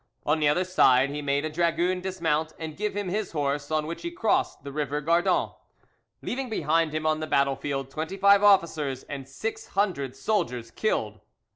On the other side he made a dragoon dismount and give him his horse, on which he crossed the river Gardon, leaving behind him on the battlefield twenty five officers and six hundred soldiers killed.